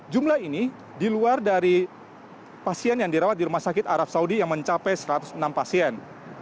jumlah ini di luar dari pasien yang dirawat di rumah sakit arab saudi yang mencapai satu ratus enam pasien